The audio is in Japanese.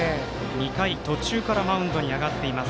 ２回途中からマウンドに上がっています。